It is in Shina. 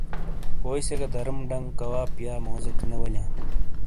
کوئی سے گہ داروم ڈنگ کواپ یا موزیک نے والیاں۔